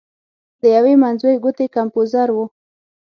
د یوې منځوۍ ګوتې کمپوزر و.